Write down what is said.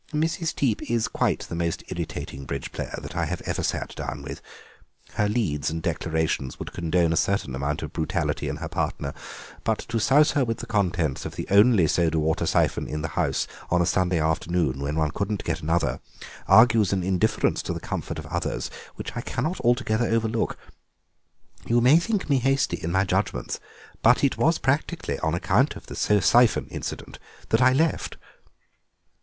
"Mrs. Teep is quite the most irritating bridge player that I have ever sat down with; her leads and declarations would condone a certain amount of brutality in her partner, but to souse her with the contents of the only soda water syphon in the house on a Sunday afternoon, when one couldn't get another, argues an indifference to the comfort of others which I cannot altogether overlook. You may think me hasty in my judgments, but it was practically on account of the syphon incident that I left."